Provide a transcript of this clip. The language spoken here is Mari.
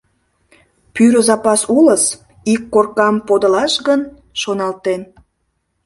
«Пӱрӧ запас улыс, ик коркам подылаш гын?» — шоналтен.